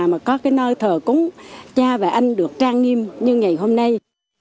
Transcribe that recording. mà có nơi thở cúng cha và anh được trang nghiêm như ngày hôm nay